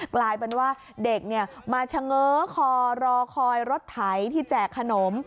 กลายเป็นว่าเด็กมาเฉง้อคอรอคอยรถไถที่แจกขนม